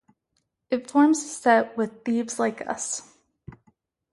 It forms a set with "Thieves Like Us".